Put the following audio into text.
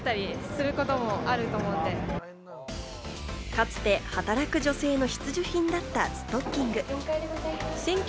かつて働く女性の必需品だったストッキング。